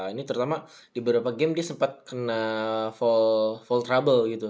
ini terutama di beberapa game dia sempat kena full trouble gitu